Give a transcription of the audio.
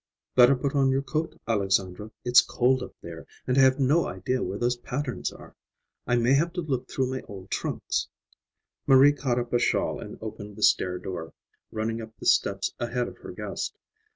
"Better put on your coat, Alexandra. It's cold up there, and I have no idea where those patterns are. I may have to look through my old trunks." Marie caught up a shawl and opened the stair door, running up the steps ahead of her guest.